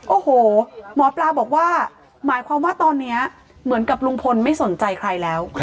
โอ้โหหมอปลาบอกว่าหมายความว่าตอนนี้เหมือนกับลุงพลไม่สนใจใครแล้ว